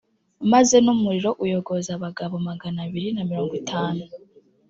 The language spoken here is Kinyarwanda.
maze n’umuriro uyogoza abagabo magana abiri na mirongo itanu.